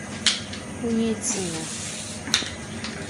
Куницина...